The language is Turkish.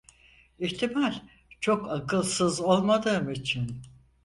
İhtimal çok akılsız olmadığım için…